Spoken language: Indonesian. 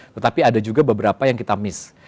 tetapi ada juga beberapa yang kita miss